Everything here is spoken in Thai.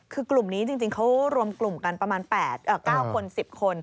คือกลุ่มนี้จริงเขารวมกลุ่มกันประมาณ๘๙คน๑๐คน